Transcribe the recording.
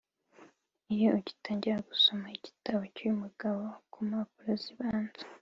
Iyo ugitangira gusoma igitabo cy’uyu mugabo ku mpapuro zibanza